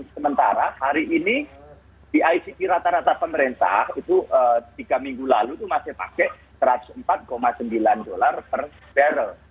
sementara hari ini di icp rata rata pemerintah itu tiga minggu lalu itu masih pakai satu ratus empat sembilan dolar per barrel